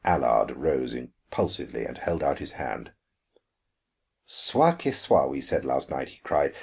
Allard rose impulsively and held out his hand. "'Soit que soit,' we said last night," he cried.